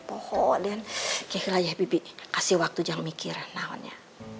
pokoknya adik adiknya kira kira ya bibi kasih waktu jangan mikir naonnya